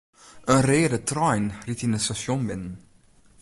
In reade trein ried it stasjon binnen.